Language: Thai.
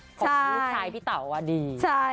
อีกรูปคลายพี่เต่าละดี